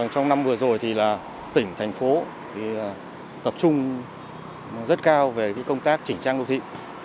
trong năm vừa rồi tỉnh thành phố tập trung rất cao về công tác chỉnh trang đô thị